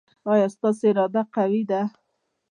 ایا ستاسو اراده قوي ده؟